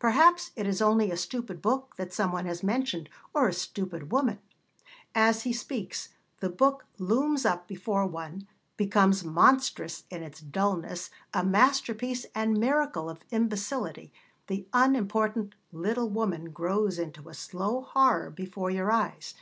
Perhaps it is only a stupid book that some one has mentioned, or a stupid woman; as he speaks, the book looms up before one, becomes monstrous in its dulness, a masterpiece and miracle of imbecility; the unimportant little woman grows into a slow horror before your eyes.